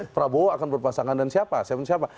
prabowo akan berpasangan dengan siapa